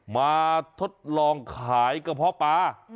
ทดลองขายกระเพาะปลา